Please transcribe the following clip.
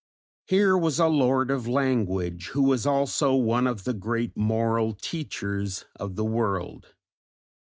Here was a lord of language who was also one of the great moral teachers of the world.